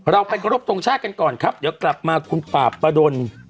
เราไปขอรบทรงชาติกันก่อนครับเดี๋ยวกลับมาคุณป่าประดน